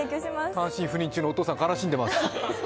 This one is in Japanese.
単身赴任中のお父さん、悲しんでます。